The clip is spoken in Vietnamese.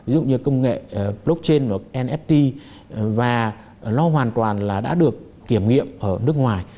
ví dụ như công nghệ blockchain và nft và nó hoàn toàn là đã được kiểm nghiệm ở nước ngoài